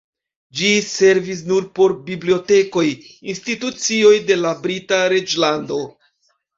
Ĝi servis nur por bibliotekoj, institucioj de la Brita Reĝlando.